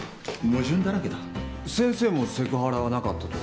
先生もセクハラはなかったと？